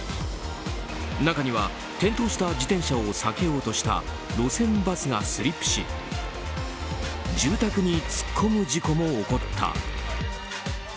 中には、転倒した自転車を避けようとした路線バスがスリップし住宅に突っ込む事故も起こった。